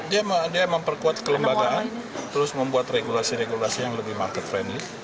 dia memperkuat kelembagaan terus membuat regulasi regulasi yang lebih market friendly